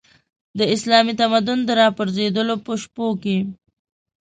د اسلامي تمدن د راپرځېدلو په شپو کې.